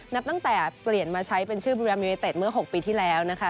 นับตั้งแต่เปลี่ยนมาใช้เป็นชื่อบุรีรัมยูเนเต็ดเมื่อ๖ปีที่แล้วนะคะ